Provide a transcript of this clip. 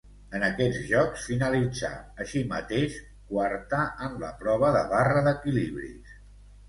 En aquests Jocs finalitzà, així mateix, quarta en la prova de barra d'equilibris.